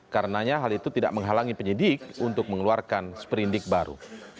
karenanya hal itu tidak menghalangi penyidik untuk mengeluarkan seperindik baru